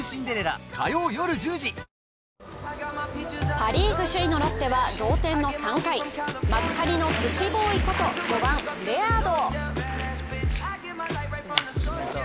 パリーグ首位のロッテは同点の３回幕張のスシボーイこと５番・レアード。